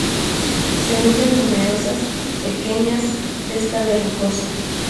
Semillas numerosas, pequeñas; testa verrucosa.